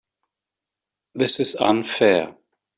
This is unfair.